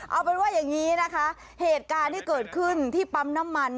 เอาเป็นว่าอย่างนี้นะคะเหตุการณ์ที่เกิดขึ้นที่ปั๊มน้ำมัน